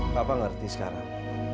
apa yang aku ngerti sekarang